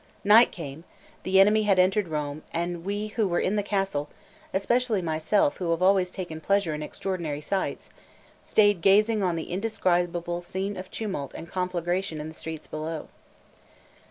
Night came, the enemy had entered Rome, and we who were in the castle (especially myself, who have always taken pleasure in extraordinary sights) stayed gazing on the indescribable scene of tumult and conflagration in the streets below.